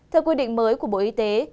theo quy định mới của bộ y tế